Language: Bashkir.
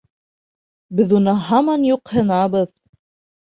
Беҙ уны һаман юҡһынабыҙ.